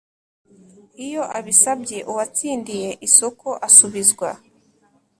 Iyo abisabye uwatsindiye isoko asubizwa